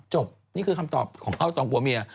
นี่คือคำตอบของเขาสองผัวเมีย